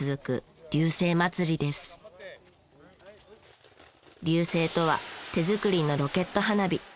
龍勢とは手作りのロケット花火。